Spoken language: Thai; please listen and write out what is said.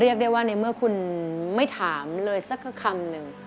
เรียกได้ว่าในเมื่อคุณไม่ถามเลยสักคำหนึ่ง